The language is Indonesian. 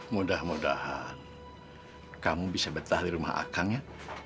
mudah mudahan kamu bisa betah di rumah akang ya